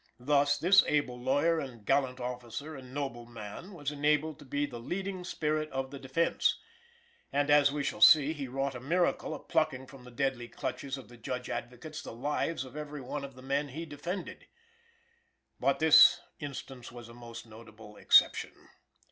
Thus, this able lawyer and gallant officer and noble man was enabled to be "the leading spirit of the defense;" and, as we shall see, he wrought the miracle of plucking from the deadly clutches of the Judge Advocates the lives of every one of the men he defended. But this instance was a most notable exception.